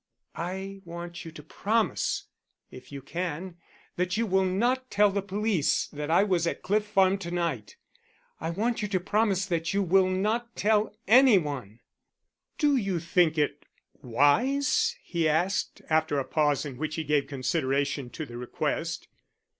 "I want you to promise if you can that you will not tell the police that I was at Cliff Farm to night; I want you to promise that you will not tell any one." "Do you think it wise?" he asked, after a pause in which he gave consideration to the request.